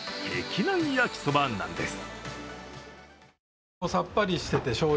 きなん焼きそばなんです。